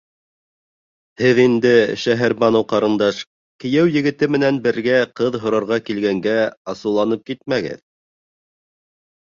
Һеҙ инде, Шәһәрбаныу ҡарындаш, кейәү егете менән бергә ҡыҙ һорарға килгәнгә асыуланып китмәгеҙ.